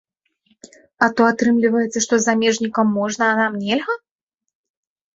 А то атрымліваецца, што замежнікам можна, а нам нельга?